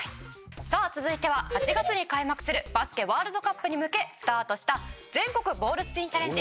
さあ続いては８月に開幕するバスケワールドカップに向けスタートした全国ボールスピンチャレンジ。